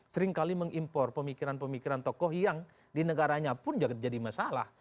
seringkali mengimpor pemikiran pemikiran tokoh yang di negaranya pun jadi masalah